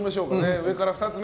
上から２つ目。